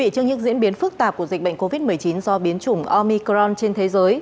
trước những diễn biến phức tạp của dịch bệnh covid một mươi chín do biến chủng omicron trên thế giới